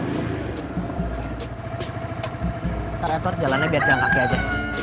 ntar edward jalannya biar jalan kaki aja